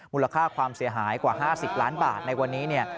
มูลค่าความเสียหายกว่า๕๐ล้านบาทในวันนี้เนี่ย